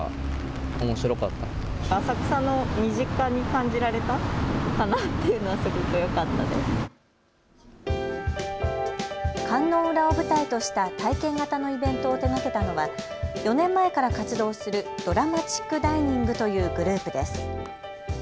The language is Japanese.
観音裏を舞台とした体験型のイベントを手がけたのは４年前から活動するドラマチック・ダイニングというグループです。